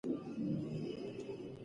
رانجه پر ماشومانو هم لګېږي.